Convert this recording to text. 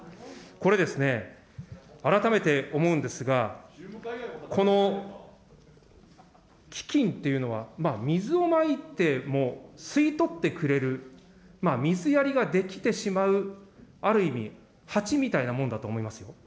これですね、改めて思うんですが、この基金っていうのは、水をまいても吸い取ってくれる、水やりができてしまう、ある意味、蜂みたいなものだと思いますよ。